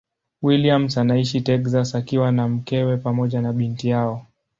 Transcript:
Williams anaishi Texas akiwa na mkewe pamoja na binti yao.